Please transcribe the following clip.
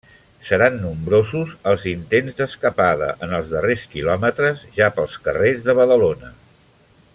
Seran nombrosos els intents d'escapada en els darrers quilòmetres, ja pels carrers de Badalona.